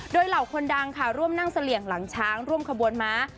โดยเหล่าคนดังค่ะร่วมนั่งเสลี่ยงหลังช้างร่วมขบวนม้า